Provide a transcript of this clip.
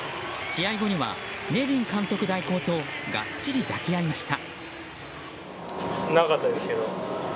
試合後には、ネビン監督代行とがっちり抱き合いました。